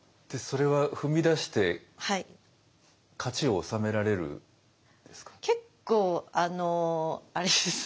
それは踏み出して勝ちを収められるんですか？